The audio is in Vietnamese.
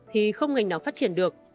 thì không ngành nào phát triển được